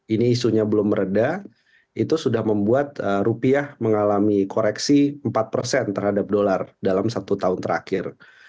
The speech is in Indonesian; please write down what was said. ini isunya belum meredah itu sudah membuat rupiah mengalami koreksi empat persen terhadap dolar dalam satu tahun terakhir